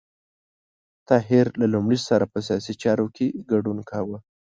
طاهر له لومړي سره په سیاسي چارو کې ګډون کاوه.